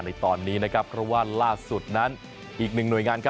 ในตอนนี้อีกหนึ่งหน่วยงาน